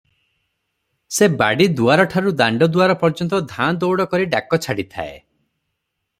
ସେ ବାଡ଼ି ଦୁଆରଠାରୁ ଦାଣ୍ତ ଦୁଆର ପର୍ଯ୍ୟନ୍ତ ଧାଁଦଉଡ଼ କରି ଡାକ ଛାଡ଼ିଥାଏ ।